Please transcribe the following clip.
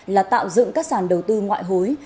là tạo dựng các sàn đầu tư ngoại hối